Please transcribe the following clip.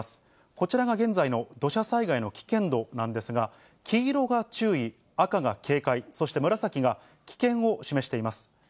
こちらが現在の土砂災害の危険度なんですが、黄色が注意、赤が警戒、そして紫が危険を示しています。